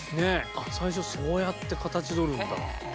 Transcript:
あっ最初そうやって形取るんだ。